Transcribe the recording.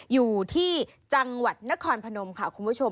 อยู่ที่จังหวัดนครพนมค่ะคุณผู้ชม